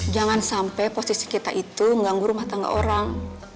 jangan sampai posisi kita itu mengganggu rumah tangga orang